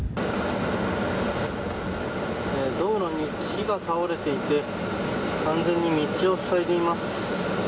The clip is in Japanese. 道路に木が倒れていて完全に道をふさいでいます。